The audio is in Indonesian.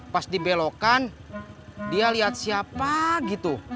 pas dibelokan dia liat siapa gitu